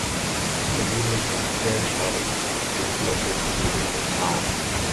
The Village of Fairchild is located within the town.